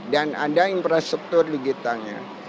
dan ada infrastruktur digitalnya